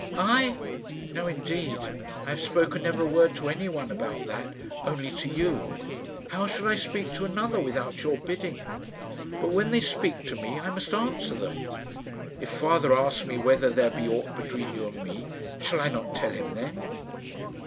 "I! No indeed. I have spoken never a word to anyone about that only to you. How should I speak to another without your bidding? But when they speak to me I must answer them. If father asks me whether there be aught between you and me, shall I not tell him then?"